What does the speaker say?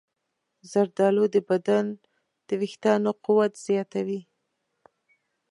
زردالو د بدن د ویښتانو قوت زیاتوي.